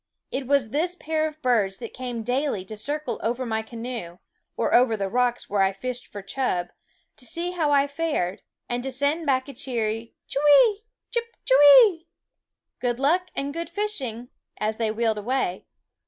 It was this pair of birds that came daily to circle over my canoe, or over the rocks where I fished for chub, to see how I fared, and to send back a cheery Ctiwee ! chip, cKweeee! "good luck and good fishing," as they wheeled away.